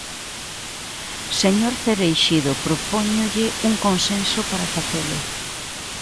Señor Cereixido, propóñolle un consenso para facelo.